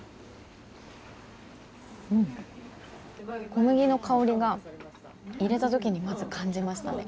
小麦の香りが入れた時にまず感じましたね。